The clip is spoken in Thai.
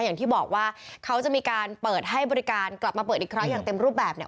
อย่างที่บอกว่าเขาจะมีการเปิดให้บริการกลับมาเปิดอีกครั้งอย่างเต็มรูปแบบเนี่ย